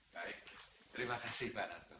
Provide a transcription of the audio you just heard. baik terima kasih pak narto